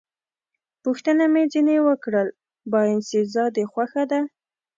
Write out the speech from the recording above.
پوښتنه مې ځنې وکړل: باینسېزا دې خوښه ده؟